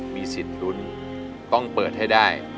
มีสิทธิ์ลุ้นต้องเปิดให้ได้